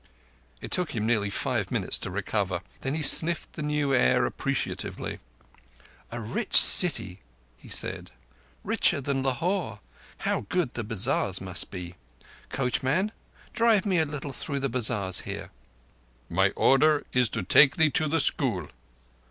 It took him nearly five minutes to recover. Then he sniffed the new air appreciatively. "A rich city," he said. "Richer than Lahore. How good the bazars must be! Coachman, drive me a little through the bazars here." "My order is to take thee to the school."